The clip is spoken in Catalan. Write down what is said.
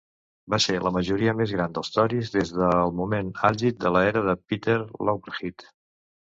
Va ser la majoria més gran dels tories des del moment àlgid de l'era de Peter Lougheed.